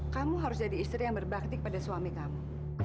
kamu harus jadi istri yang berbakti kepada suami kamu